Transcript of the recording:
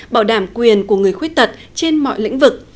bảo đảm quyền của người khuyết tật trên mọi lĩnh vực